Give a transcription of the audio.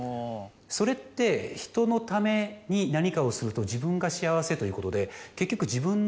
それって人のために何かをすると自分が幸せということで結局。